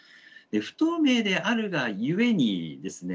不透明であるがゆえにですね